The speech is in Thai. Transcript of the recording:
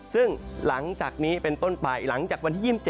ซึ่งหลังจากนี้เป็นต้นไปหลังจากวันที่๒๗